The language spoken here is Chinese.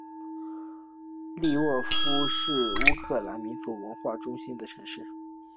利沃夫是乌克兰民族文化的中心都市。